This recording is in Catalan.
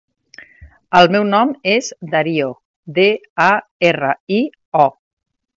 El meu nom és Dario: de, a, erra, i, o.